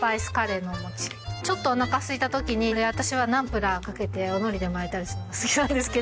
ちょっとおなかすいた時にこれ私はナンプラーかけてお海苔で巻いたりするのが好きなんですけど。